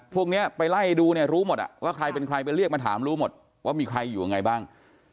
พวกนี้ไปไล่ดูเนี่ยรู้หมดว่าใครเป็นใครไปเรียกมาถามรู้หมดว่ามีใครอยู่ยังไงบ้าง